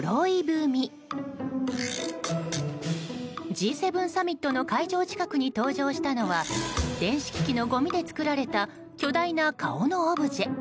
Ｇ７サミットの会場近くに登場したのは電子機器のごみで作られた巨大な顔のオブジェ。